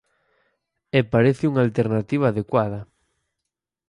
E parece unha alternativa adecuada.